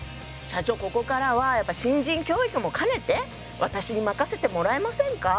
社長ここからはやっぱ新人教育も兼ねて私に任せてもらえませんか？